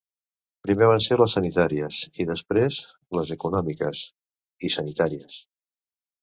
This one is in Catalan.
Primer van ser les sanitàries i després, les econòmiques… i sanitàries.